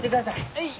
はい！